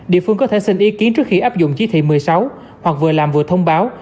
địa phương có thể xin ý kiến trước khi áp dụng chỉ thị một mươi sáu hoặc vừa làm vừa thông báo